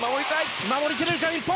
守り切れるか、日本。